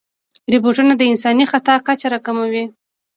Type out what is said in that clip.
روبوټونه د انساني خطا کچه راکموي.